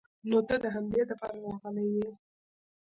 نو ته د همدې د پاره راغلې وې.